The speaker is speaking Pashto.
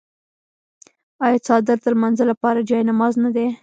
آیا څادر د لمانځه لپاره جای نماز نه دی؟